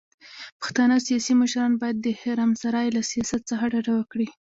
پښتانه سياسي مشران بايد د حرم سرای له سياست څخه ډډه وکړي.